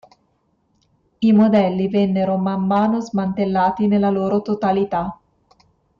I modelli vennero man mano smantellati nella loro totalità.